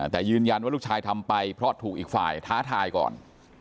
แต่ยืนยันว่าลูกชายทำไปเพราะถูกอีกฝ่ายท้าทายก่อน